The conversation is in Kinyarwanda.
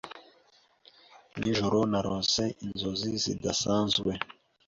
Nijoro narose inzozi zidasanzwe.